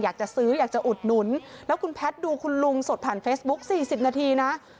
อยากจะซื้ออยากจะอุดหนุนแล้วคุณแพทย์ดูคุณลุงสดผ่านเฟซบุ๊ค๔๐นาทีนะ